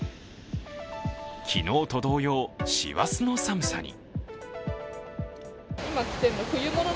昨日と同様、師走の寒さに。